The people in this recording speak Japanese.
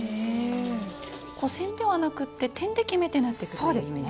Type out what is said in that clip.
線ではなくって点で決めて縫っていくといいんですね。